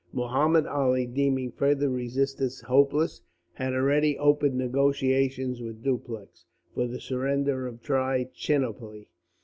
Muhammud Ali, deeming further resistance hopeless, had already opened negotiations with Dupleix for the surrender of Trichinopoli.